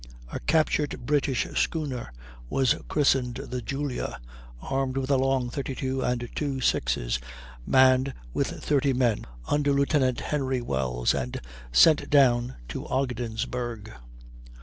A captured British schooner was christened the Julia, armed with a long 32 and two 6's, manned with 30 men, under Lieut. Henry Wells, and sent down to Ogdensburg.